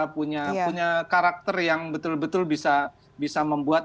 punya karakter yang betul betul bisa membuat